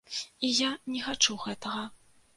І я не хачу гэтага.